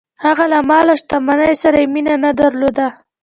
هغه له مال او شتمنۍ سره یې مینه نه درلوده.